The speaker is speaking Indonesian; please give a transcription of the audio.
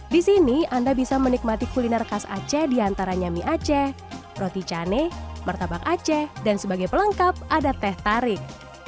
di sini anda bisa menikmati kuliner khas aceh diantaranya mie aceh roti cane martabak aceh dan sebagai pelengkap ada teh tarik